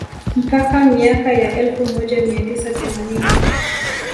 Mpaka miaka ya elfu moja mia tisa themanini